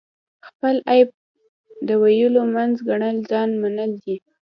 خپل عیب د ولیو منځ ګڼل ځان منل نه دي.